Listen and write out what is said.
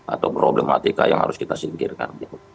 atau problematika yang harus kita singkirkan